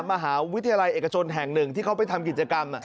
มหาวิทยาลัยเอกชนแห่งหนึ่งที่เขาไปทำกิจกรรม